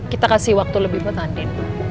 kita kasih waktu lebih buat andin